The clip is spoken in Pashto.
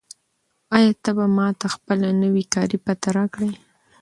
آیا ته به ماته خپله نوې کاري پته راکړې؟